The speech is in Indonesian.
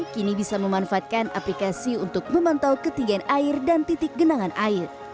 kini bisa memanfaatkan aplikasi untuk memantau ketinggian air dan titik genangan air